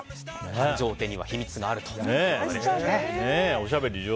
繁盛店には秘密があるということでしたね。